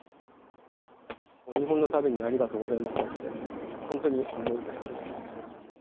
日本のためにありがとうございましたって、本当に思いました。